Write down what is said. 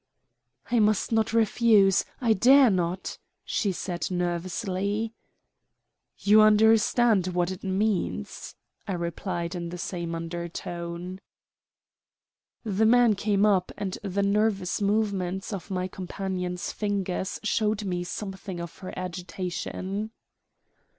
"I must not refuse. I dare not," she said nervously. "You understand what it means," I replied in the same undertone. The man came up, and the nervous movements of my companion's fingers showed me something of her agitation.